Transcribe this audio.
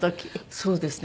そうですね。